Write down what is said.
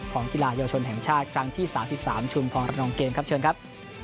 กีฬาเยาวชนแห่งชาติครั้งที่๓๓ชุมพรระนองเกมครับเชิญครับ